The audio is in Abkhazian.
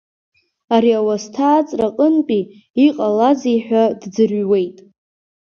Ари ауасҭа ааҵра аҟынтәи, иҟалазеи ҳәа дӡырҩуеит.